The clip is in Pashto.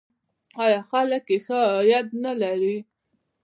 آیا خلک یې ښه عاید نلري؟